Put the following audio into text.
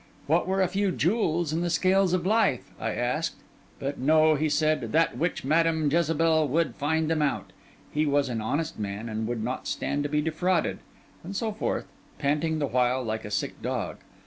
What were a few jewels in the scales with life? I asked. But no, he said; that witch Madam Jezebel would find them out; he was an honest man, and would not stand to be defrauded, and so forth, panting the while, like a sick dog.